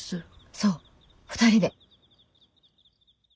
そう２人で。